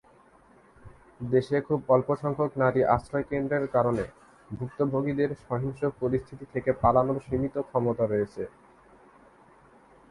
দেশে খুব অল্প সংখ্যক নারী আশ্রয় কেন্দ্রের কারণে, ভুক্তভোগীদের সহিংস পরিস্থিতি থেকে পালানোর সীমিত ক্ষমতা রয়েছে।